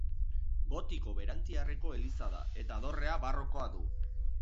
Gotiko berantiarreko eliza da eta dorrea barrokoa du.